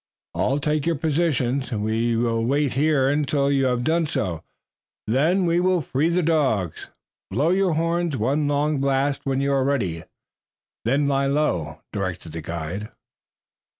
"All take your positions. We will wait here until you have done so, then we will free the dogs. Blow your horns, one long blast when you are ready, then lie low," directed the guide.